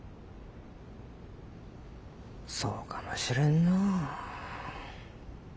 そうかもしれんのう。